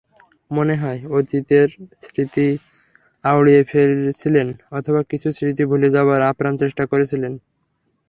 মনে হয় অতীতের স্মৃতি আওড়িয়ে ফিরছিলেন অথবা কিছু স্মৃতি ভুলে যাবার আপ্রাণ চেষ্টা করছিলেন।